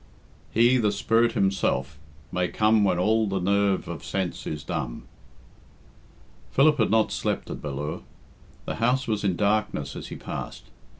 He, the Spirit Himself, may come When all the nerve of sense is numb." Philip had not slept at Ballure. The house was in darkness as he passed.